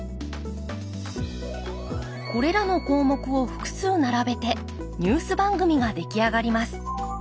これらの項目を複数並べてニュース番組が出来上がります。